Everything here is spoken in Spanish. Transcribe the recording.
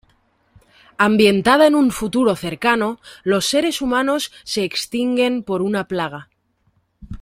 Ambientada en un futuro cercano, los seres humanos se extinguen por una plaga.